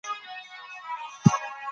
قلم د ژبې ژباړن دی.